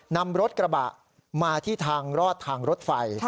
นำรถกระบะมาที่ทางรอดทางรถไฟ